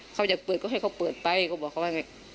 เขาอยากเปิดก็ให้เขาเปิดไปเขาบอกเขาว่าไง